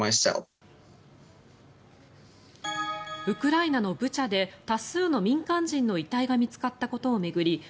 ウクライナのブチャで多数の民間人の遺体が見つかったことを巡り